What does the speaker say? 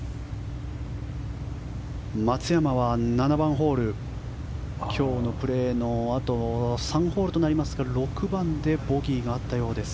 松山は７番ホール今日のプレーのあと３ホールとなりますが６番でボギーとなったようです。